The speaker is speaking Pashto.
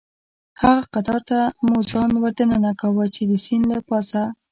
هغه قطار ته مو ځان وردننه کاوه، چې د سیند له پاسه.